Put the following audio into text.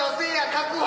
確保。